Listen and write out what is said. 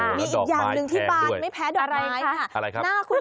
มีอีกอย่างหนึ่งที่บานไม่แพ้ดอกไม้ค่ะ